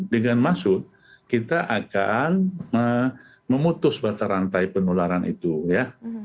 dengan maksud kita akan memutus mata rantai penularan itu ya